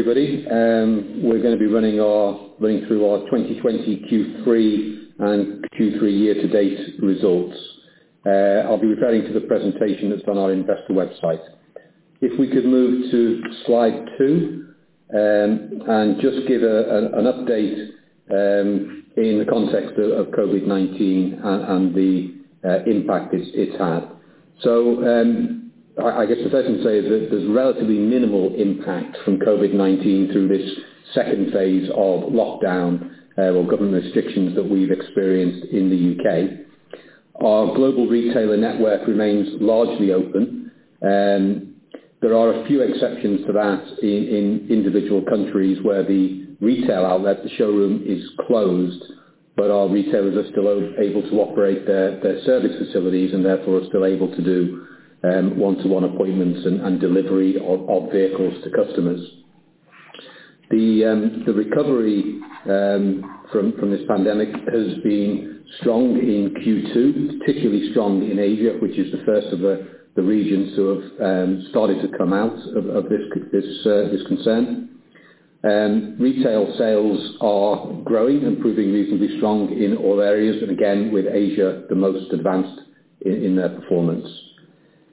Everybody. We're going to be running through our 2020 Q3 and Q3 year-to-date results. I'll be referring to the presentation that's on our investor website. If we could move to slide two, and just give an update in the context of COVID-19 and the impact it's had. I guess the first thing to say is that there's relatively minimal impact from COVID-19 through this second phase of lockdown or government restrictions that we've experienced in the U.K. Our global retailer network remains largely open. There are a few exceptions to that in individual countries where the retail outlet, the showroom is closed, but our retailers are still able to operate their service facilities and therefore are still able to do one-to-one appointments and delivery of vehicles to customers. The recovery from this pandemic has been strong in Q2, particularly strong in Asia, which is the first of the regions who have started to come out of this concern. Retail sales are growing and proving reasonably strong in all areas, and again, with Asia the most advanced in their performance.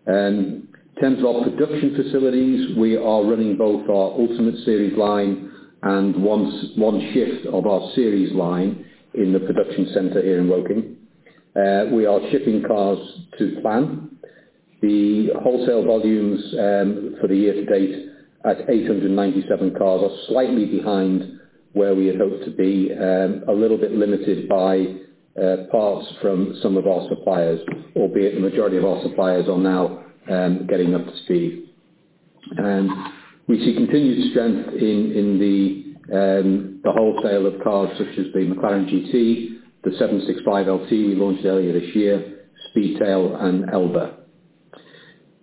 In terms of our production facilities, we are running both our Ultimate Series line and one shift of our Series line in the production center here in Woking. We are shipping cars to plan. The wholesale volumes for the year-to-date at 897 cars are slightly behind where we had hoped to be, a little bit limited by parts from some of our suppliers, albeit the majority of our suppliers are now getting up to speed. We see continued strength in the wholesale of cars such as the McLaren GT, the 765LT we launched earlier this year, Speedtail, and Elva.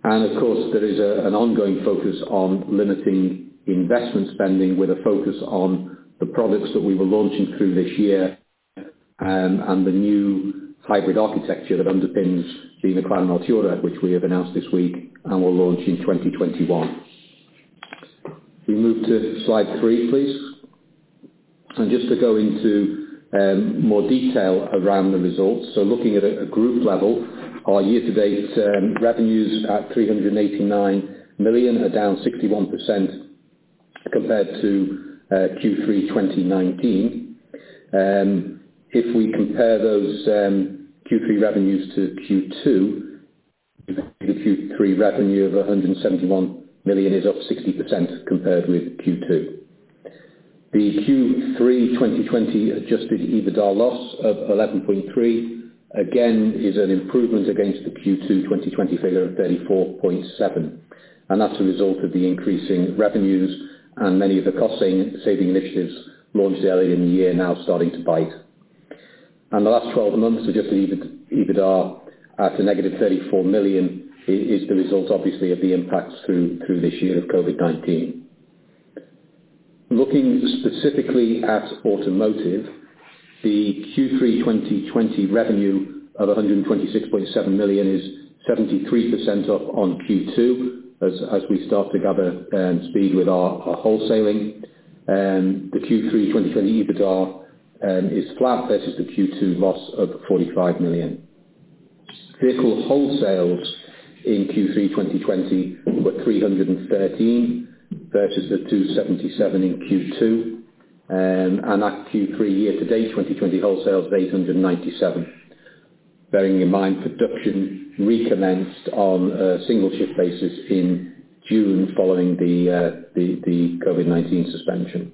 Of course, there is an ongoing focus on limiting investment spending with a focus on the products that we were launching through this year and the new hybrid architecture that underpins the McLaren Artura, which we have announced this week and will launch in 2021. Can we move to slide three, please? Just to go into more detail around the results. Looking at a group level, our year-to-date revenues at 389 million are down 61% compared to Q3 2019. If we compare those Q3 revenues to Q2, the Q3 revenue of 171 million is up 60% compared with Q2. The Q3 2020 adjusted EBITDA loss of 11.3 million again is an improvement against the Q2 2020 figure of 34.7 million, that's a result of the increasing revenues and many of the cost-saving initiatives launched earlier in the year now starting to bite. The last 12 months adjusted EBITDA at a -34 million is the result, obviously, of the impacts through this year of COVID-19. Looking specifically at automotive, the Q3 2020 revenue of 126.7 million is 73% up on Q2 as we start to gather speed with our wholesaling. The Q3 2020 EBITDA is flat versus the Q2 loss of 45 million. Vehicle wholesales in Q3 2020 were 313 versus the 277 in Q2, at Q3 year to date 2020, wholesales 897. Bearing in mind, production recommenced on a single shift basis in June following the COVID-19 suspension.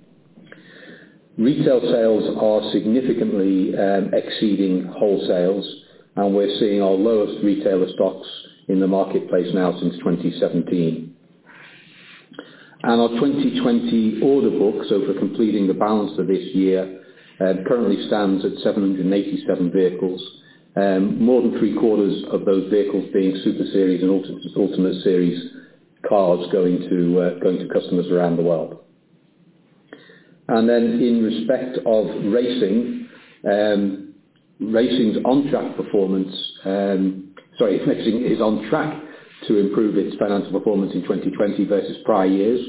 Retail sales are significantly exceeding wholesales. We're seeing our lowest retailer stocks in the marketplace now since 2017. Our 2020 order book, so for completing the balance of this year, currently stands at 787 vehicles, more than 3/4s of those vehicles being Super Series and Ultimate Series cars going to customers around the world. In respect of racing, Racing's on-track performance, sorry, is on track to improve its financial performance in 2020 versus prior years.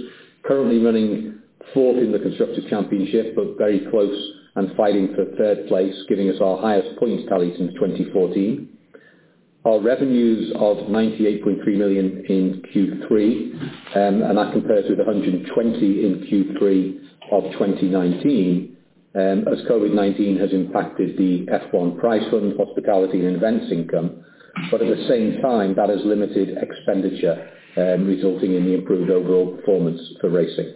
Currently running fourth in the Constructors' Championship, very close and fighting for third place, giving us our highest points tally since 2014. Our revenues of 98.3 million in Q3, and that compares with 120 million in Q3 of 2019, as COVID-19 has impacted the F1 prize fund, hospitality, and events income. At the same time, that has limited expenditure, resulting in the improved overall performance for racing.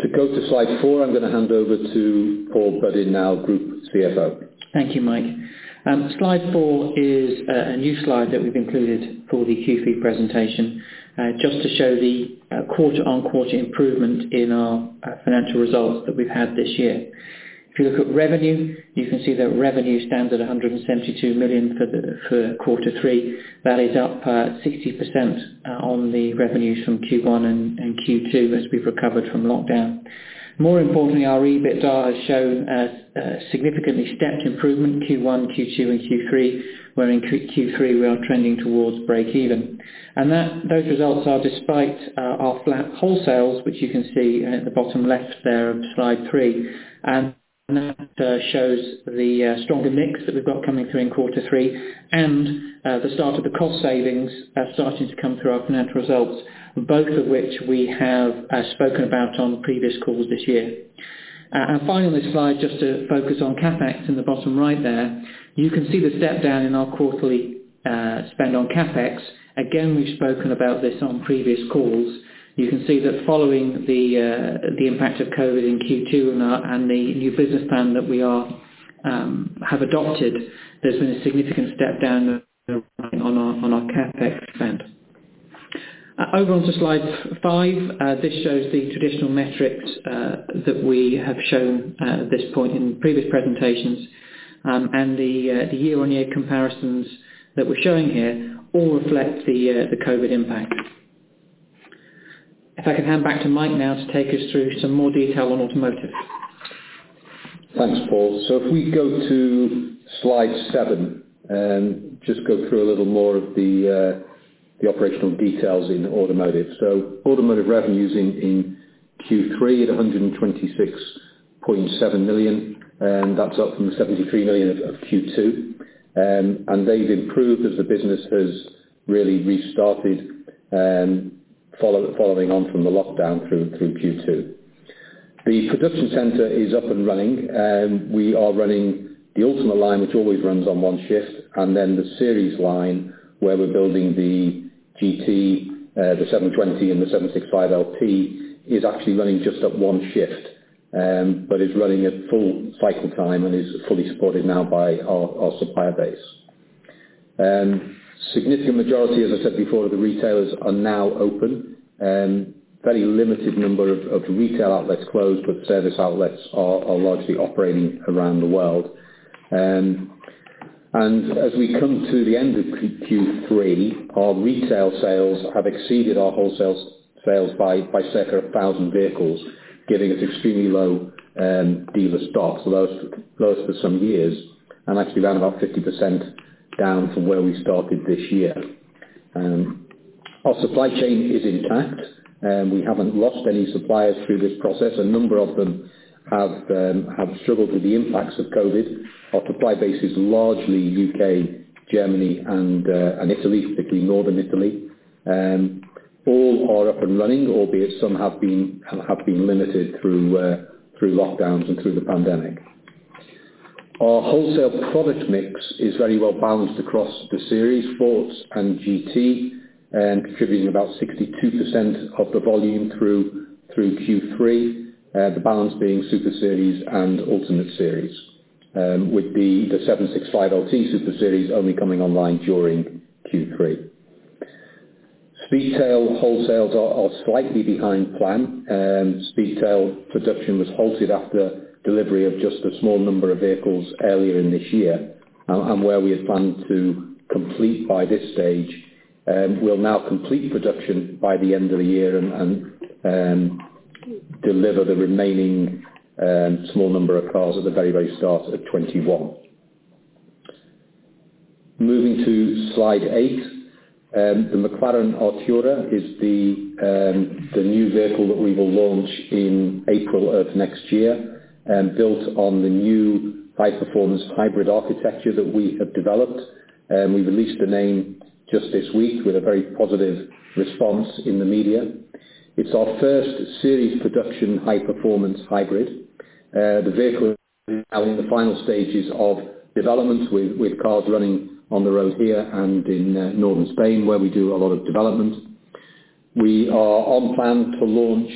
To go to slide four, I'm going to hand over to Paul Buddin now, Group CFO. Thank you, Mike. Slide four is a new slide that we've included for the Q3 presentation, just to show the quarter-on-quarter improvement in our financial results that we've had this year. If you look at revenue, you can see that revenue stands at 172 million for quarter three. That is up 60% on the revenues from Q1 and Q2 as we've recovered from lockdown. More importantly, our EBITDA has shown a significantly stepped improvement Q1, Q2, and Q3, where in Q3 we are trending towards break even. Those results are despite our flat wholesales, which you can see at the bottom left there of slide three. That shows the stronger mix that we've got coming through in quarter three and the start of the cost savings are starting to come through our financial results. Both of which we have spoken about on previous calls this year. Finally, this slide, just to focus on CapEx in the bottom right there, you can see the step down in our quarterly spend on CapEx. Again, we've spoken about this on previous calls. You can see that following the impact of COVID-19 in Q2 and the new business plan that we have adopted, there's been a significant step down on our CapEx spend. Over on to slide five. This shows the traditional metrics that we have shown at this point in previous presentations, the year-on-year comparisons that we're showing here all reflect the COVID-19 impact. If I can hand back to Mike now to take us through some more detail on automotive. Thanks, Paul. If we go to slide seven and just go through a little more of the operational details in automotive. Automotive revenues in Q3 at 126.7 million, and that's up from the 73 million of Q2. They've improved as the business has really restarted following on from the lockdown through Q2. The production center is up and running. We are running the Ultimate line, which always runs on one shift, and then the Series line, where we're building the GT, the 720 and the 765LT, is actually running just at one shift, but is running at full cycle time and is fully supported now by our supplier base. Significant majority, as I said before, the retailers are now open. Very limited number of retail outlets closed, service outlets are largely operating around the world. As we come to the end of Q3, our retail sales have exceeded our wholesale sales by circa 1,000 vehicles, giving us extremely low dealer stocks. The lowest for some years, and actually around about 50% down from where we started this year. Our supply chain is intact. We haven't lost any suppliers through this process. A number of them have struggled with the impacts of COVID-19. Our supply base is largely U.K., Germany and Italy, particularly northern Italy. All are up and running, albeit some have been limited through lockdowns and through the pandemic. Our wholesale product mix is very well balanced across the Series, Sports and GT, and contributing about 62% of the volume through Q3, the balance being Super Series and Ultimate Series, with the 765LT Super Series only coming online during Q3. Speedtail wholesales are slightly behind plan. Speedtail production was halted after delivery of just a small number of vehicles earlier in this year. Where we had planned to complete by this stage, we'll now complete production by the end of the year and deliver the remaining small number of cars at the very, very start of 2021. Moving to slide eight. The McLaren Artura is the new vehicle that we will launch in April of next year, built on the new high performance hybrid architecture that we have developed. We released the name just this week with a very positive response in the media. It's our first series production, high performance hybrid. The vehicle is now in the final stages of development with cars running on the road here and in northern Spain, where we do a lot of development. We are on plan to launch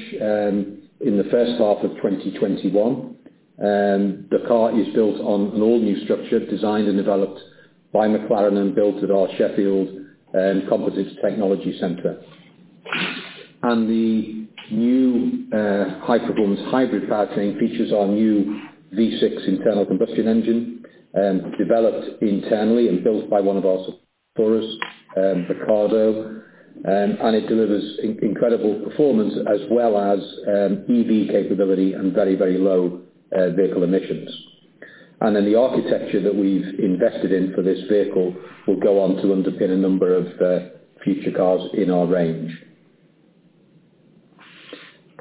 in the first half of 2021. The car is built on an all-new structure designed and developed by McLaren and built at our Sheffield Composites Technology Centre. The new high-performance hybrid powertrain features our new V6 internal combustion engine, developed internally and built by one of our suppliers, Ricardo. It delivers incredible performance as well as EV capability and very, very low vehicle emissions. The architecture that we've invested in for this vehicle will go on to underpin a number of future cars in our range.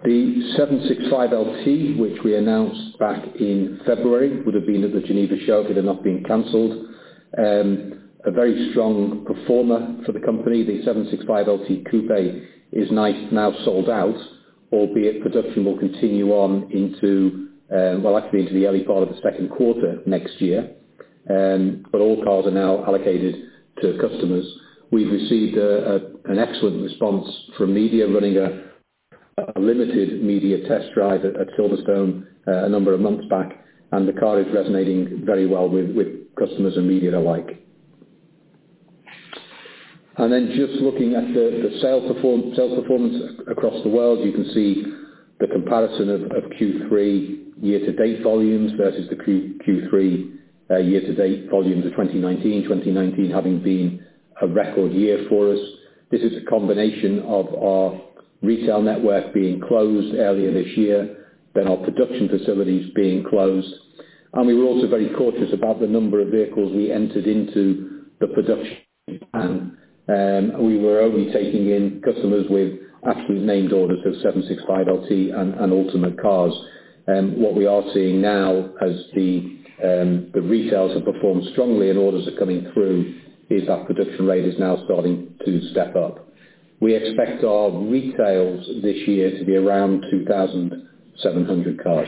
The 765LT, which we announced back in February, would have been at the Geneva Show had it not been canceled. A very strong performer for the company. The 765LT Coupe is now sold out, albeit production will continue on into the early part of the second quarter next year. All cars are now allocated to customers. We've received an excellent response from media running a limited media test drive at Silverstone a number of months back. The car is resonating very well with customers and media alike. Just looking at the sales performance across the world, you can see the comparison of Q3 year-to-date volumes versus the Q3 year-to-date volumes of 2019. 2019 having been a record year for us. This is a combination of our retail network being closed earlier this year. Our production facilities being closed. We were also very cautious about the number of vehicles we entered into the production plan. We were only taking in customers with absolute named orders of 765LT and Ultimate cars. What we are seeing now, as the retails have performed strongly and orders are coming through, is that production rate is now starting to step up. We expect our retails this year to be around 2,700 cars.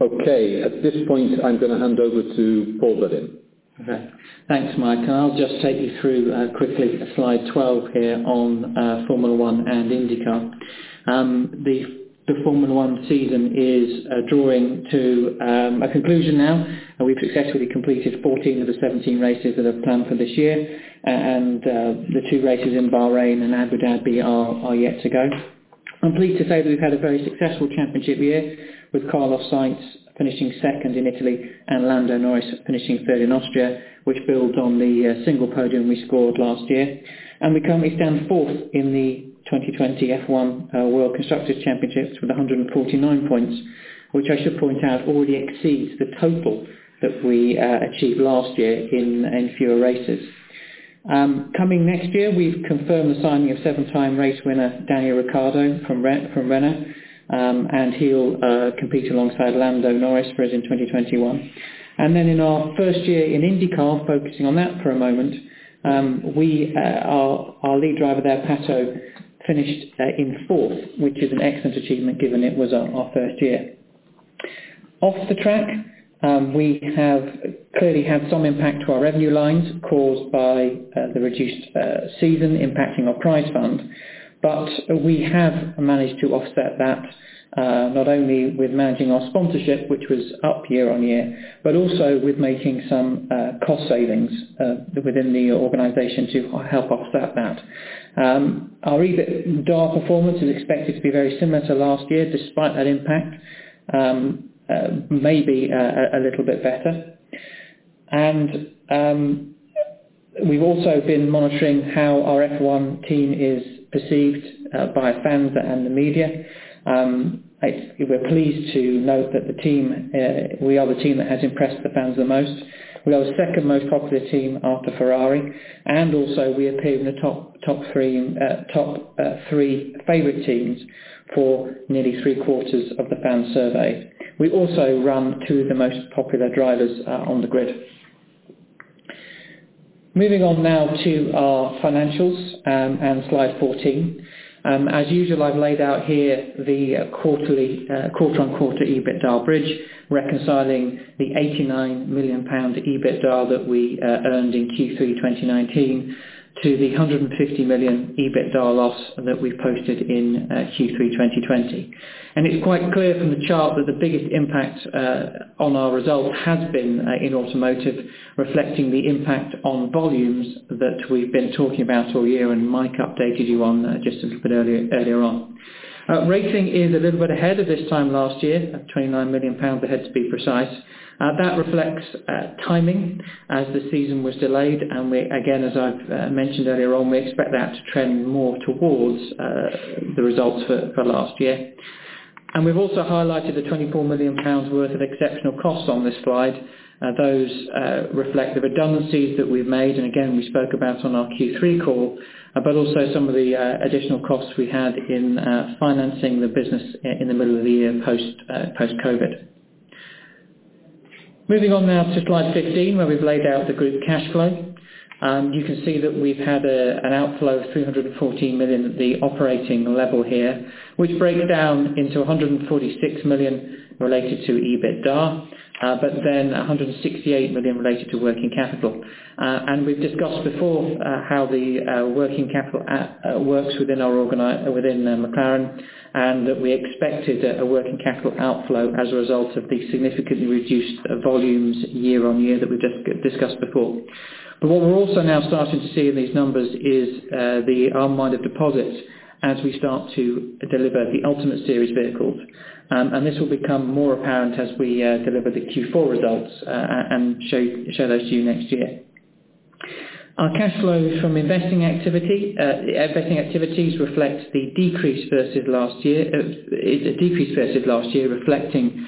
Okay. At this point, I'm going to hand over to Paul Buddin. Okay. Thanks, Mike. I'll just take you through, quickly, slide 12 here on Formula 1 and IndyCar. The Formula 1 season is drawing to a conclusion now. We've successfully completed 14 of the 17 races that are planned for this year. The two races in Bahrain and Abu Dhabi are yet to go. I'm pleased to say that we've had a very successful championship year, with Carlos Sainz finishing second in Italy and Lando Norris finishing third in Austria, which builds on the single podium we scored last year. The company stands fourth in the 2020 F1 World Constructors' Championship with 149 points, which I should point out already exceeds the total that we achieved last year in fewer races. Coming next year, we've confirmed the signing of seven-time race winner Daniel Ricciardo from Renault. He'll compete alongside Lando Norris for us in 2021. In our first year in IndyCar, focusing on that for a moment, our lead driver there, Pato, finished in fourth, which is an excellent achievement given it was our first year. Off the track, we have clearly had some impact to our revenue lines caused by the reduced season impacting our prize fund. We have managed to offset that, not only with managing our sponsorship, which was up year-on-year, but also with making some cost savings within the organization to help offset that. Our EBITDA performance is expected to be very similar to last year, despite that impact, maybe a little bit better. We've also been monitoring how our F1 team is perceived by fans and the media. We're pleased to note that we are the team that has impressed the fans the most. We are the second most popular team after Ferrari, and also we appear in the top three favorite teams for nearly three quarters of the fan survey. We also run two of the most popular drivers on the grid. Moving on now to our financials, slide 14. As usual, I've laid out here the quarter-on-quarter EBITDA bridge, reconciling the 89 million pound EBITDA that we earned in Q3 2019 to the 150 million EBITDA loss that we posted in Q3 2020. It's quite clear from the chart that the biggest impact on our result has been in automotive, reflecting the impact on volumes that we've been talking about all year, and Mike updated you on just a little bit earlier on. Racing is a little bit ahead of this time last year, 29 million pounds ahead to be precise. That reflects timing as the season was delayed, and we, again, as I've mentioned earlier on, we expect that to trend more towards the results for last year. We've also highlighted the 24 million pounds worth of exceptional costs on this slide. Those reflect the redundancies that we've made, and again, we spoke about on our Q3 call, but also some of the additional costs we had in financing the business in the middle of the year, post-COVID. Moving on now to Slide 15, where we've laid out the group cash flow. You can see that we've had an outflow of 314 million at the operating level here, which breaks down into 146 million related to EBITDA, but then 168 million related to working capital. We've discussed before how the working capital works within McLaren, and that we expected a working capital outflow as a result of the significantly reduced volumes year-on-year that we've just discussed before. What we're also now starting to see in these numbers is the amount of deposits as we start to deliver the Ultimate Series vehicles. This will become more apparent as we deliver the Q4 results and show those to you next year. Our cash flow from investing activities reflects the decrease versus last year, reflecting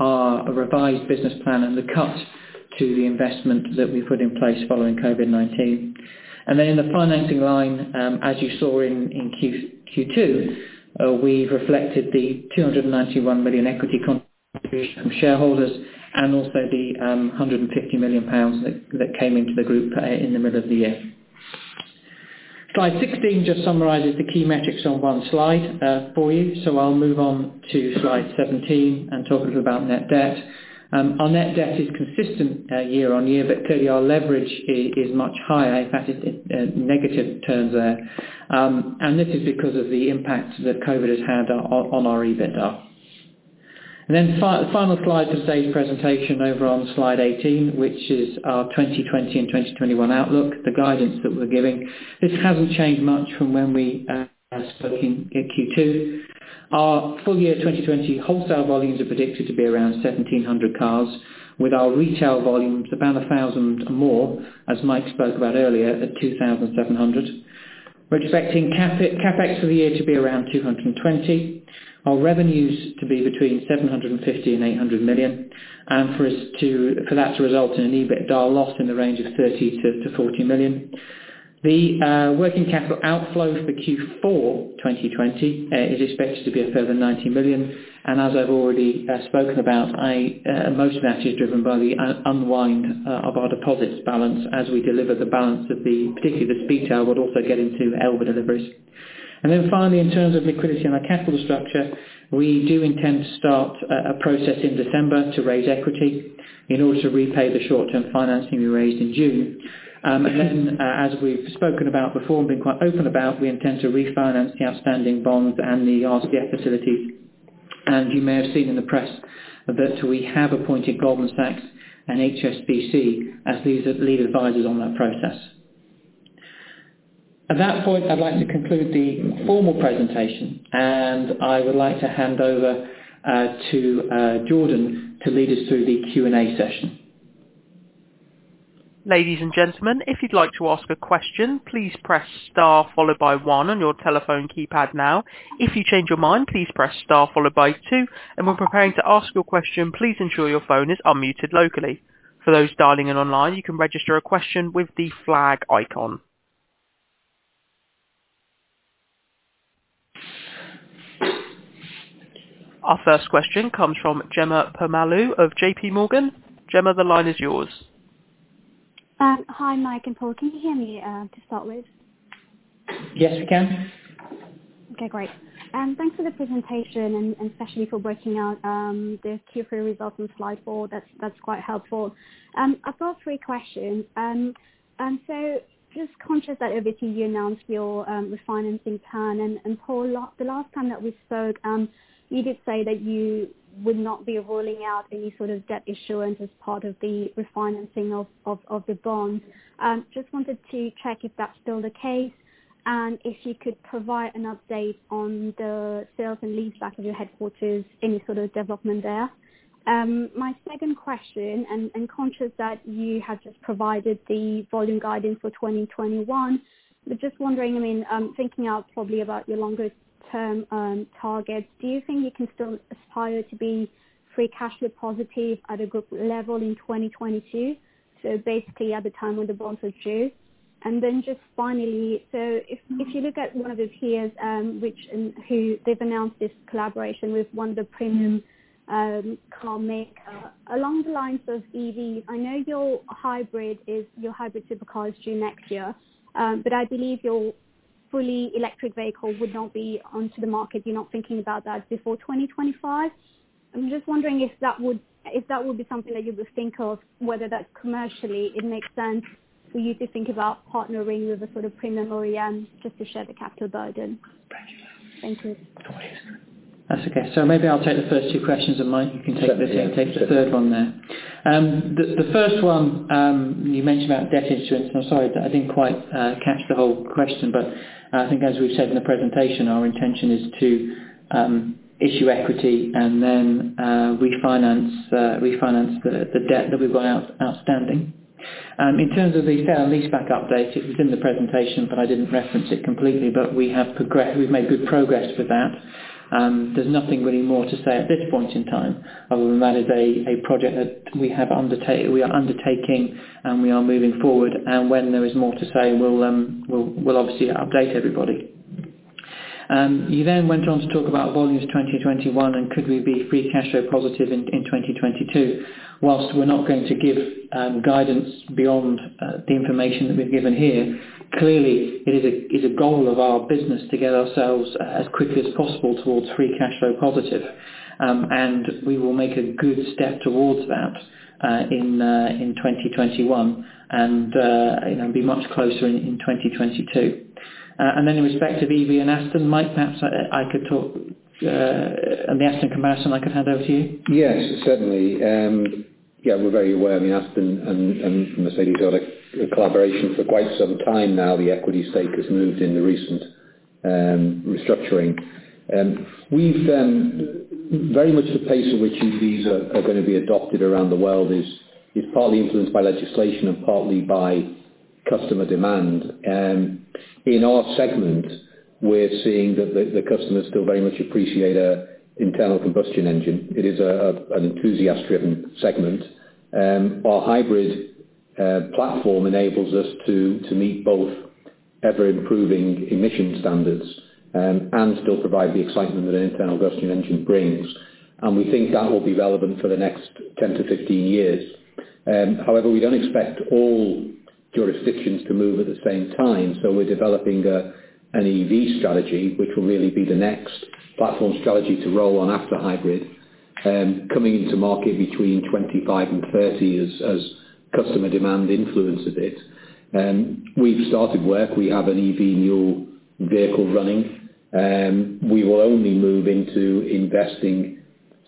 our revised business plan and the cut to the investment that we put in place following COVID-19. In the financing line, as you saw in Q2, we reflected the 291 million equity contribution from shareholders, and also the 150 million pounds that came into the group in the middle of the year. Slide 16 just summarizes the key metrics on one slide for you. I'll move on to slide 17 and talk a little about net debt. Our net debt is consistent year-on-year, clearly our leverage is much higher. In fact, it's negative terms there. This is because of the impact that COVID has had on our EBITDA. The final slide of today's presentation over on slide 18, which is our 2020 and 2021 outlook, the guidance that we're giving. This hasn't changed much from when we spoke in Q2. Our full year 2020 wholesale volumes are predicted to be around 1,700 cars, with our retail volumes about 1,000 more, as Mike spoke about earlier, at 2,700. We're expecting CapEx for the year to be around 220 million, our revenues to be between 750 million and 800 million, and for that to result in an EBITDA loss in the range of 30 million-40 million. The working capital outflow for Q4 2020 is expected to be a further 90 million. As I've already spoken about, most of that is driven by the unwind of our deposits balance as we deliver the balance, particularly with Speedtail, but also get into Elva deliveries. Finally, in terms of liquidity and our capital structure, we do intend to start a process in December to raise equity in order to repay the short-term financing we raised in June. As we've spoken about before and been quite open about, we intend to refinance the outstanding bonds and the RCF facility. You may have seen in the press that we have appointed Goldman Sachs and HSBC as lead advisors on that process. At that point, I'd like to conclude the formal presentation, and I would like to hand over to Jordan to lead us through the Q&A session. Ladies and gentlemen, if you'd like to ask a question, please press star followed by one on your telephone keypad now. If you change your mind, please press star followed by two. When preparing to ask your question, please ensure your phone is unmuted locally. For those dialing in online, you can register a question with the flag icon. Our first question comes from Jemma Permalloo of JPMorgan. Jemma, the line is yours. Hi, Mike and Paul. Can you hear me to start with? Yes, we can. Okay, great. Thanks for the presentation and especially for breaking out the Q3 results on slide four. That's quite helpful. I've got three questions. Just conscious that obviously you announced your refinance in turn, and Paul, the last time that we spoke, you did say that you would not be ruling out any sort of debt issuance as part of the refinancing of the bond. Just wanted to check if that's still the case and if you could provide an update on the sales and leaseback of your headquarters, any sort of development there. My second question, conscious that you have just provided the volume guidance for 2021, but just wondering, thinking out probably about your longer-term targets, do you think you can still aspire to be free cash flow positive at a group level in 2022? Basically, at the time when the bonds are due. Just finally, if you look at one of the peers, which they've announced this collaboration with one of the premium car maker. Along the lines of EVs, I know your hybrid typical car is due next year, but I believe your fully electric vehicle would not be onto the market. You are not thinking about that before 2025. I am just wondering if that would be something that you would think of, whether that commercially it makes sense for you to think about partnering with a sort of premium OEM just to share the capital burden? Thank you. That's okay. Maybe I'll take the first two questions, and Mike, you can take the third one there. The first one, you mentioned about debt issuance. I'm sorry, I didn't quite catch the whole question, but I think as we've said in the presentation, our intention is to issue equity and then refinance the debt that we got outstanding. In terms of the sale and leaseback update, it was in the presentation, but I didn't reference it completely, but we've made good progress with that. There's nothing really more to say at this point in time, other than that is a project that we are undertaking, and we are moving forward. When there is more to say, we'll obviously update everybody. You went on to talk about volumes 2021, and could we be free cash flow positive in 2022. Whilst we're not going to give guidance beyond the information that we've given here, clearly it is a goal of our business to get ourselves as quickly as possible towards free cash flow positive. We will make a good step towards that in 2021 and be much closer in 2022. In respect of EV and Aston, Mike, perhaps I could talk on the Aston commercial, and I could hand over to you. Yes, certainly. Yeah, we're very aware. Aston and Mercedes got a collaboration for quite some time now. The equity stake has moved in the recent restructuring. Very much the pace at which EVs are going to be adopted around the world is partly influenced by legislation and partly by customer demand. In our segment, we're seeing that the customers still very much appreciate internal combustion engine. It is an enthusiast-driven segment. Our hybrid platform enables us to meet both ever-improving emission standards and still provide the excitement that an internal combustion engine brings. We think that will be relevant for the next 10 years-15 years. However, we don't expect all jurisdictions to move at the same time, so we're developing an EV strategy, which will really be the next platform strategy to roll on after hybrid, coming into market between 2025 and 2030 as customer demand influences it. We've started work. We have an EV new vehicle running. We will only move into investing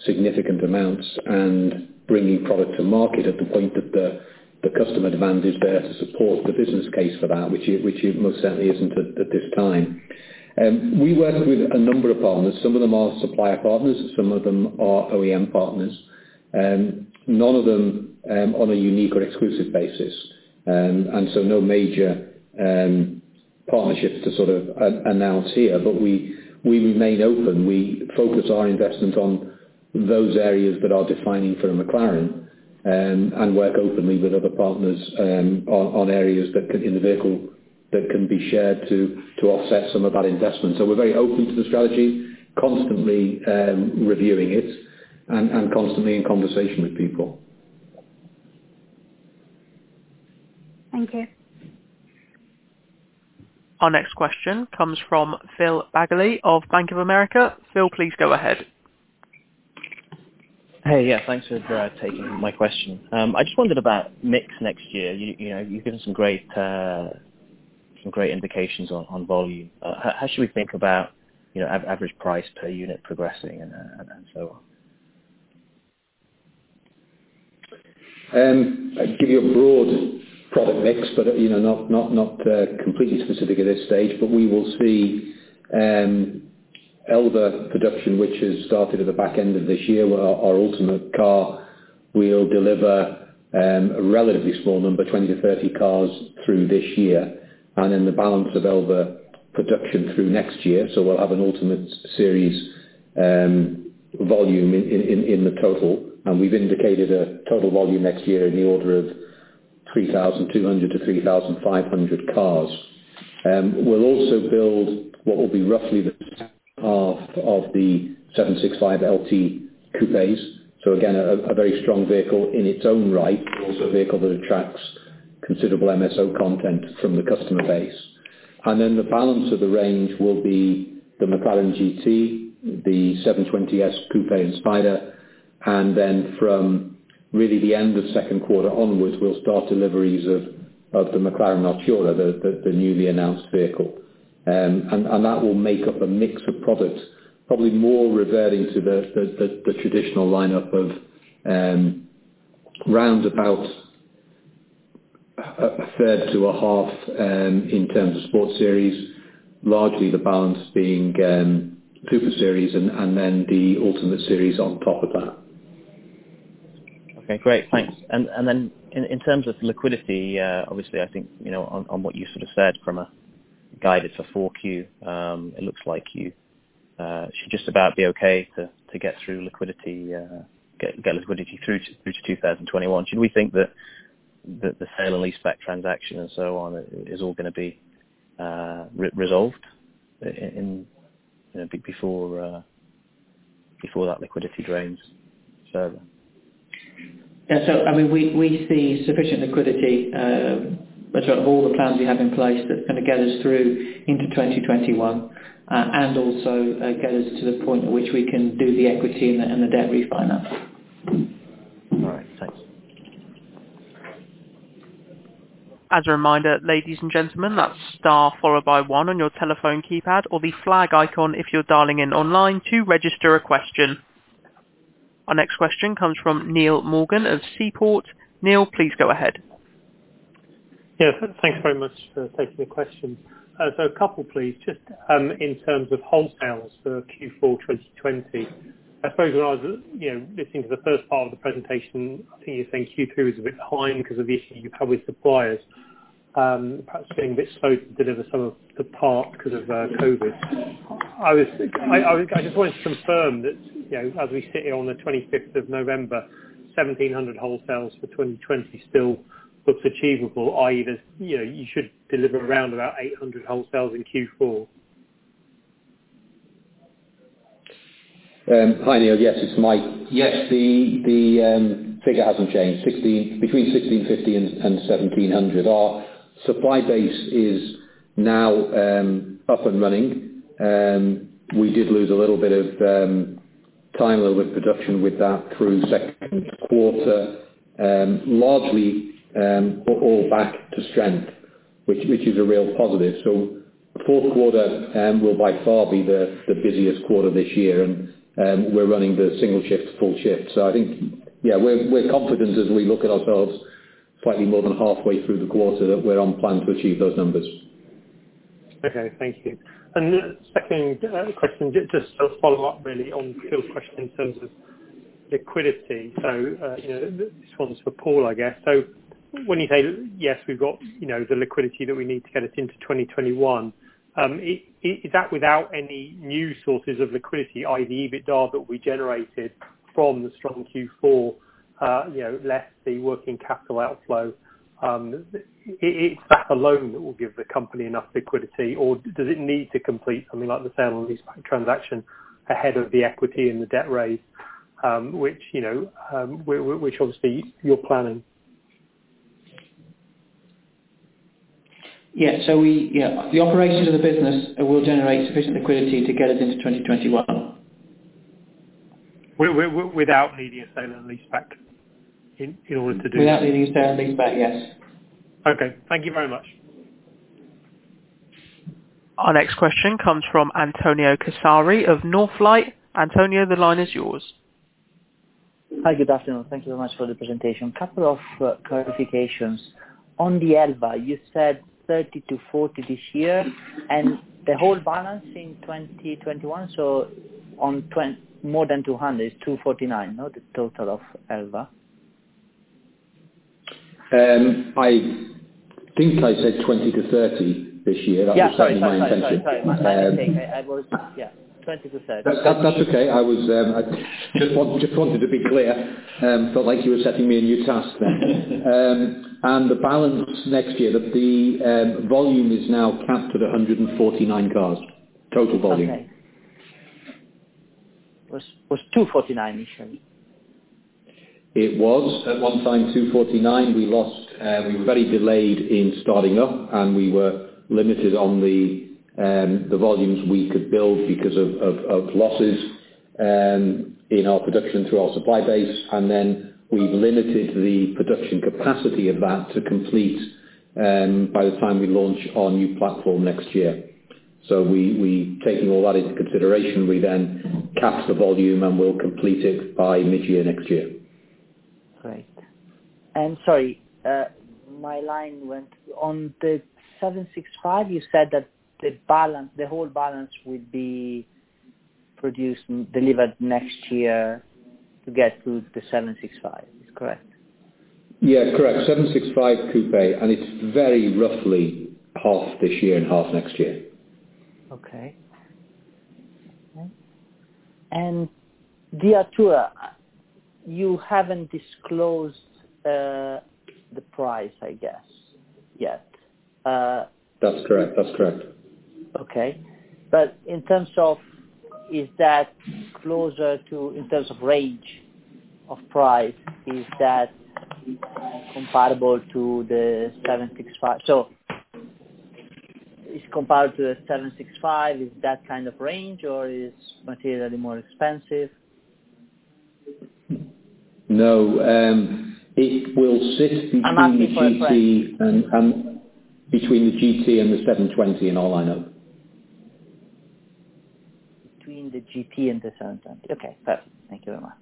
significant amounts and bringing product to market at the point that the customer demand is there to support the business case for that, which it most certainly isn't at this time. We work with a number of partners. Some of them are supplier partners, some of them are OEM partners. None of them on a unique or exclusive basis, no major partnerships to announce here. We remain open. We focus our investment on those areas that are defining for McLaren and work openly with other partners on areas in the vehicle that can be shared to offset some of that investment. We're very open to the strategy, constantly reviewing it and constantly in conversation with people. Thank you. Our next question comes from [Phil Bagley] of Bank of America. [Phil], please go ahead. Hey, yeah, thanks for taking my question. I just wondered about mix next year. You've given some great indications on volume. How should we think about average price per unit progressing and so on? I'll give you a broad product mix, but not completely specific at this stage. We will see Elva production, which has started at the back end of this year, where our ultimate car will deliver a relatively small number, 20 cars-30 cars, through this year, and then the balance of Elva production through next year. We'll have an Ultimate Series volume in the total. We've indicated a total volume next year in the order of 3,200 cars-3,500 cars. We'll also build what will be roughly the half of the 765LT Coupes. Again, a very strong vehicle in its own right, but also a vehicle that attracts considerable MSO content from the customer base. The balance of the range will be the McLaren GT, the 720S Coupe and Spider. From really the end of second quarter onwards, we'll start deliveries of the McLaren Artura, the newly announced vehicle. That will make up a mix of products, probably more reverting to the traditional lineup of round about a 1/3 to a 1/2 in terms of Sports Series, largely the balance being Coupe series and then the Ultimate Series on top of that. Okay, great. Thanks. In terms of liquidity, obviously, I think on what you said from a guidance for 4Q, it looks like you should just about be okay to get through liquidity, get liquidity through to 2021. Should we think that the sale and leaseback transaction and so on is all going to be resolved before that liquidity drains further? Yeah. We see sufficient liquidity between all the plans we have in place that's going to get us through into 2021, and also get us to the point at which we can do the equity and the debt refinance. All right. Thanks. Our next question comes from Neill Morgan of Seaport. Neill, please go ahead. Thanks very much for taking the question. A couple, please. Just in terms of wholesales for Q4 2020, I suppose when I was listening to the first part of the presentation, I think you're saying Q2 is a bit behind because of the issues you've had with suppliers perhaps being a bit slow to deliver some of the parts because of COVID. I just wanted to confirm that, as we sit here on the 25th of November, 1,700 wholesales for 2020 still looks achievable, i.e., you should deliver around about 800 wholesales in Q4. Hi, Neill. Yes, it's Mike. Yes. The figure hasn't changed. Between 1,650 and 1,700. Our supply base is now up and running. We did lose a little bit of time, a little bit of production with that through second quarter. Largely, we're all back to strength, which is a real positive. The fourth quarter will by far be the busiest quarter this year, and we're running the single shift, full shift. I think, yeah, we're confident as we look at ourselves slightly more than halfway through the quarter that we're on plan to achieve those numbers. Okay. Thank you. The second question, just a follow-up really on [Phil]'s question in terms of liquidity. This one's for Paul, I guess. When you say, yes, we've got the liquidity that we need to get us into 2021, is that without any new sources of liquidity, i.e., the EBITDA that we generated from the strong Q4, less the working capital outflow, is that alone what will give the company enough liquidity? Or does it need to complete something like the sale and leaseback transaction ahead of the equity and the debt raise, which obviously you're planning? Yeah. The operations of the business will generate sufficient liquidity to get us into 2021. Without needing a sale and leaseback in order to do that? Without needing a sale and leaseback, yes. Okay. Thank you very much. Our next question comes from Antonio Casari of Northlight. Antonio, the line is yours. Hi. Good afternoon. Thank you very much for the presentation. Couple of clarifications. On the Elva, you said 30 cars-40 cars this year, and the whole balance in 2021, so more than 200. It's 249, no? The total of Elva. I think I said 20 cars-30 cars this year. Yeah. Sorry. That was certainly my intention. Sorry. I was Yeah, 20 cars-30 cars. That's okay. I just wanted to be clear. Felt like you were setting me a new task then. The balance next year, the volume is now capped at 149 cars. Total volume. Okay. Was 249 cars initially. It was at one time 249 cars. We were very delayed in starting up, and we were limited on the volumes we could build because of losses in our production through our supply base. We limited the production capacity of that to complete, by the time we launch our new platform next year. Taking all that into consideration, we then capped the volume, and we'll complete it by mid-year next year. Great. Sorry, my line went. On the 765, you said that the whole balance would be produced and delivered next year to get to the 765. Is correct? Yeah. Correct. 765 Coupe, and it's very roughly half this year and half next year. Okay. The Artura, you haven't disclosed the price, I guess, yet. That's correct. Okay. In terms of range of price, is that comparable to the 765? Is compared to the 765, is it that kind of range, or is it materially more expensive? No. It will sit. I'm asking for a price. Between the GT and the 720 in our lineup. Between the GT and the 720. Okay. Thank you very much.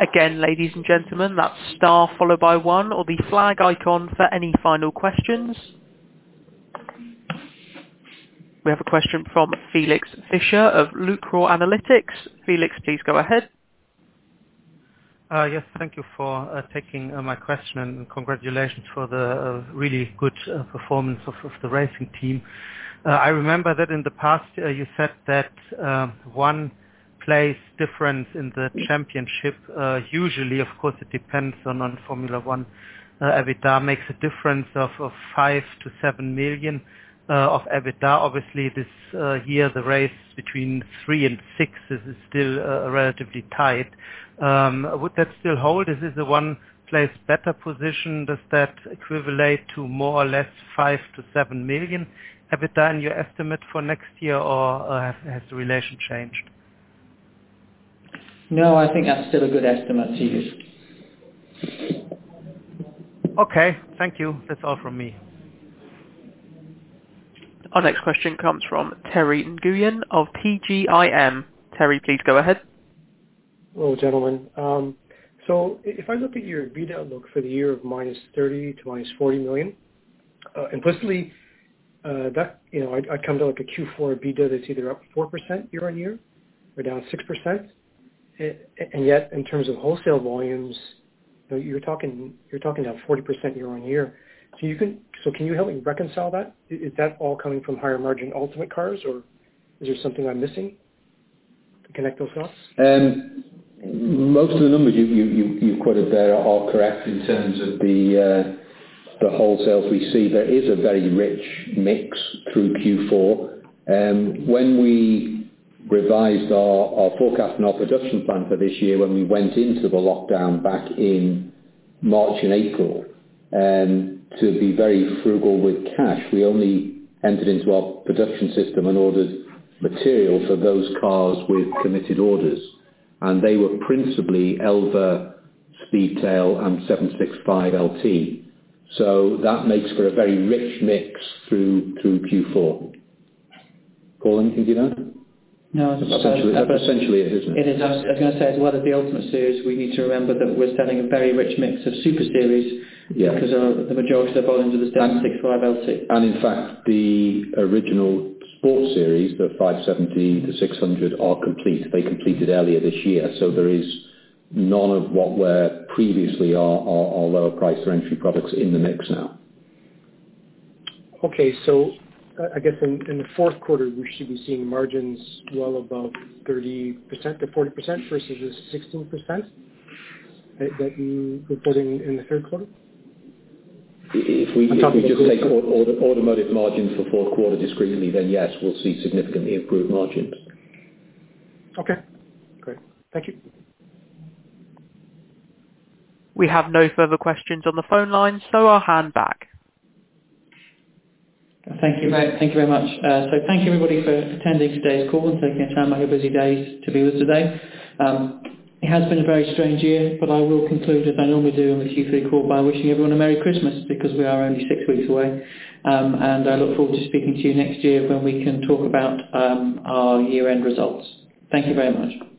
Again, ladies and gentlemen, that's star followed by one or the flag icon for any final questions. We have a question from Felix Fischer of Lucror Analytics. Felix, please go ahead. Thank you for taking my question, congratulations for the really good performance of the racing team. I remember that in the past, you said that one place difference in the championship, usually, of course, it depends on Formula 1, EBITDA makes a difference of 5 million-7 million of EBITDA. Obviously, this year, the race between three and six is still relatively tight. Would that still hold? Is this the one place better position? Does that equivalate to more or less 5 million-7 million EBITDA in your estimate for next year, or has the relation changed? No, I think that's still a good estimate to use. Okay. Thank you. That's all from me. Our next question comes from Terry Nguyen of PGIM. Terry, please go ahead. Hello, gentlemen. If I look at your EBITDA outlook for the year of -30 million to -40 million, implicitly, I come to a Q4 EBITDA that is either up 4% year-on-year or down 6%. Yet, in terms of wholesale volumes, you are talking down 40% year-on-year. Can you help me reconcile that? Is that all coming from higher margin Ultimate cars, or is there something I am missing to connect those dots? Most of the numbers you quoted there are all correct in terms of the wholesales. We see there is a very rich mix through Q4. When we revised our forecast and our production plan for this year, when we went into the lockdown back in March and April, to be very frugal with cash, we only entered into our production system and ordered material for those cars with committed orders. They were principally Elva, Speedtail, and 765LT. That makes for a very rich mix through Q4. Paul, anything to add? No. I was going to say, as well as the Ultimate Series, we need to remember that we're selling a very rich mix of Super Series. Yes The majority of the volumes are the 765LT. In fact, the original Sports Series, the 570S to 600, are complete. They completed earlier this year. There is none of what were previously our lower price entry products in the mix now. Okay. I guess in the fourth quarter, we should be seeing margins well above 30%-40% versus the 16% that you reported in the third quarter? If we just take automotive margins for fourth quarter discretely, then yes, we'll see significantly improved margins. Okay, great. Thank you. We have no further questions on the phone line, so I'll hand back. Thank you very much. Thank you everybody for attending today's call and taking the time out of your busy day to be with us today. It has been a very strange year, but I will conclude, as I normally do on the Q3 call, by wishing everyone a Merry Christmas because we are only six weeks away. I look forward to speaking to you next year when we can talk about our year-end results. Thank you very much.